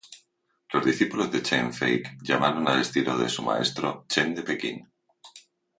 Los discípulos de Chen Fake llamaron al estilo de su maestro "Chen de Pekín".